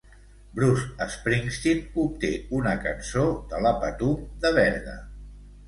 Bruce Springsteen obté una cançó de la Patum de Berga.